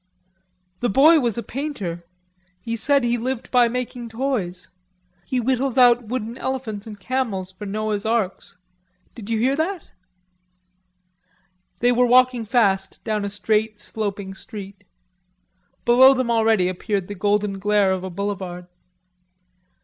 "The boy was a painter. He said he lived by making toys; he whittles out wooden elephants and camels for Noah's Arks.... Did you hear that?" They were walking fast down a straight, sloping street. Below them already appeared the golden glare of a boulevard.